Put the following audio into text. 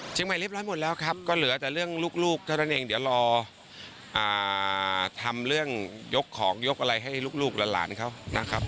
ใหม่เรียบร้อยหมดแล้วครับก็เหลือแต่เรื่องลูกเท่านั้นเองเดี๋ยวรอทำเรื่องยกของยกอะไรให้ลูกหลานเขานะครับ